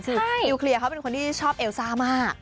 คือนิวเคลียร์เขาเป็นคนที่ชอบเอลซ่ามาก